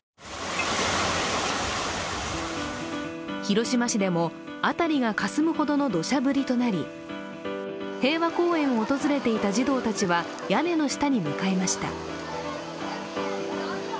広島市でも辺りがかすむほどの土砂降りとなり、平和公園を訪れていた児童たちは屋根の下に向かいました。